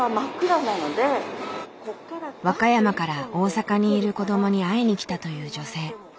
和歌山から大阪にいる子供に会いに来たという女性。